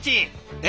え？